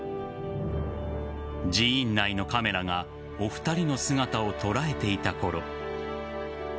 寺院内のカメラがお二人の姿を捉えていたころ